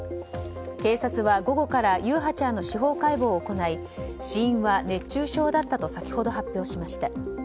警察は午後から優陽ちゃんの司法解剖を行い死因は熱中症だったと先ほど発表しました。